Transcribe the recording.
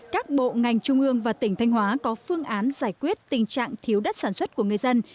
các bộ ngành trung ương và tỉnh thanh hóa có phương án giải quyết tình trạng thiếu đất sản xuất của người dân